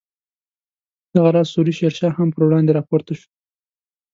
دغه راز سوري شیر شاه هم پر وړاندې راپورته شو.